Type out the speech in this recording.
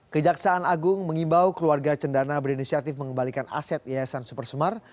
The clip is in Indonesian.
kejaksaan agung mengimbau keluarga cendana berinisiatif mengembalikan aset yayasan supersemar